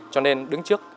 cho nên đứng trước